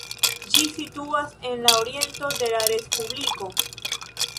Ĝi situas en la oriento de la respubliko.